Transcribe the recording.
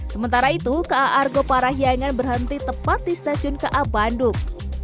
sementara itu ka argo parahyangan berhenti tepat di stasiun ka bandung